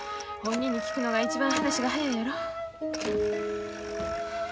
本人に聞くのが一番話が早いやろ。